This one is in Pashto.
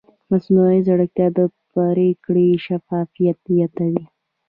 مصنوعي ځیرکتیا د پرېکړو شفافیت زیاتوي.